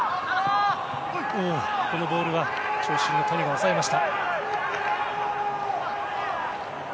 このボールは長身の谷が押さえました。